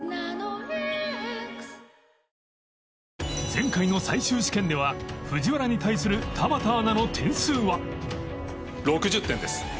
前回の最終試験では藤原に対する田畑アナの点数は